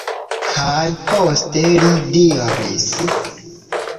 Kaj poste li diris: